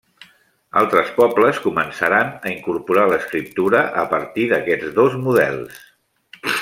Altres pobles començaran a incorporar l'escriptura a partir d'aquests dos models.